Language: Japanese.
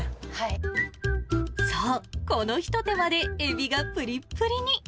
そう、このひと手間でエビがぷりぷりに。